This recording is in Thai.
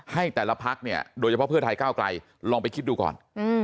ให้แต่ละพักเนี่ยโดยเฉพาะเพื่อไทยก้าวไกลลองไปคิดดูก่อน